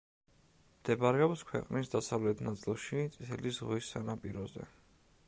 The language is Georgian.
მდებარეობს ქვეყნის დასავლეთ ნაწილში წითელი ზღვის სანაპიროზე.